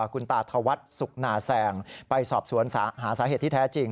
คุณตาธวัฒน์สุขนาแสงไปสอบสวนหาสาเหตุที่แท้จริง